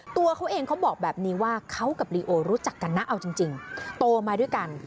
ตัวเขาเองเขาบอกแบบนี้ว่าเขากับลีโอรู้จักกันนะเอาจริงโตมาด้วยกัน